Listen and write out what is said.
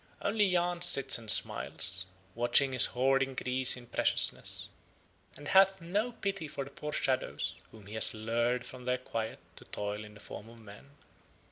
Only Yahn sits and smiles, watching his hoard increase in preciousness, and hath no pity for the poor shadows whom he hath lured from their quiet to toil in the form of men.